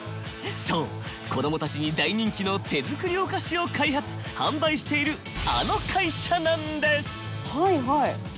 そう子どもたちに大人気の手作りお菓子を開発・販売しているアノ会社なんです！